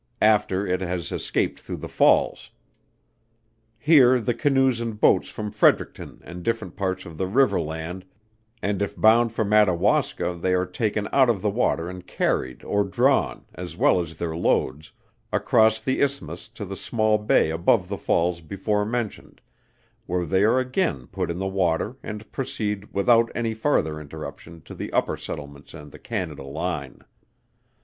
after it has escaped through the falls. Here the canoes and boats from Fredericton and different parts of the river land, and if bound for Madawaska they are taken out of the water and carried or drawn, as well as their loads, across the isthmus to the small bay above the falls before mentioned, where they are again put in the water, and proceed without any farther interruption to the upper settlements and the Canada line.